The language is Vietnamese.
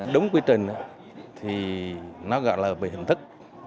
đúng quy trình thì nó gọi là về hình thức